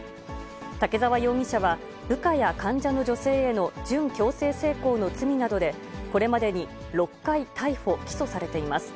竹沢容疑者は、部下や患者の女性への準強制性交の罪などでこれまでに６回逮捕・起訴されています。